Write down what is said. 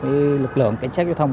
với lực lượng cảnh sát giao thông